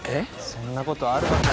そんなことあるわけ。